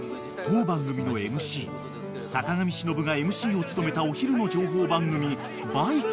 ［当番組のＭＣ坂上忍がＭＣを務めたお昼の情報番組『バイキング』が］